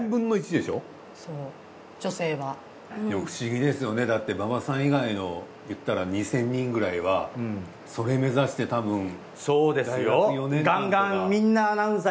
でも不思議ですよねだって馬場さん以外の言ったら２，０００人くらいはそれ目指してたぶん大学４年間とか。